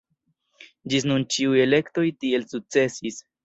Ĝis nun ĉiuj elektoj tiel sukcesis.